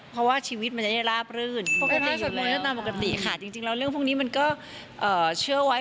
เพราะว่าชีวิตมันจะราบรื่นปกติเลยค่ะจริงแล้วเรื่องพวกนี้มันก็เชื่อไว้